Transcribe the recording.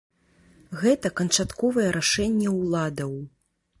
Гэта канчатковае рашэнне ўладаў.